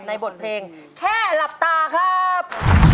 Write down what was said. บทเพลงแค่หลับตาครับ